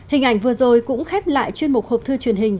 hình ảnh vừa rồi cũng khép lại chuyên mục hộp thư truyền hình